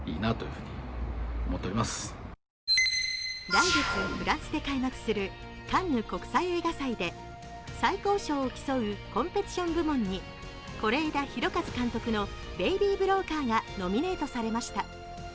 来月、フランスで開幕するカンヌ国際映画祭で最高賞を競うコンペティション部門に是枝裕和監督の「ベイビー・ブローカー」がノミネートされました。